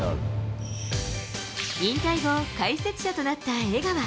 引退後、解説者となった江川。